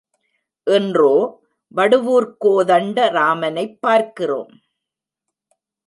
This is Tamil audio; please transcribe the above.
இன்றோ வடுவூர்கோதண்ட ராமனைப் பார்க்கிறோம்.